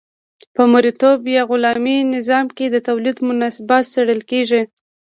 په مرئیتوب یا غلامي نظام کې د تولید مناسبات څیړل کیږي.